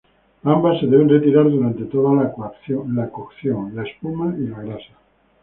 Ambas se deben retirar durante toda la cocción: la espuma y la grasa.